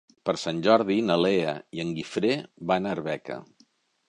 Per Sant Jordi na Lea i en Guifré van a Arbeca.